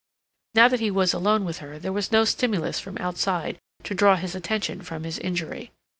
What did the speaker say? Now that he was alone with her there was no stimulus from outside to draw his attention from his injury.